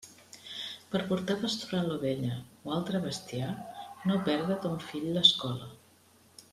Per portar a pasturar l'ovella o altre bestiar, no perda ton fill l'escola.